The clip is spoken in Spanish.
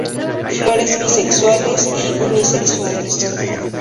Flores bisexuales y unisexuales.